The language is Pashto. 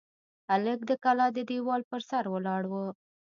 هلک د کلا د دېوال پر سر ولاړ و.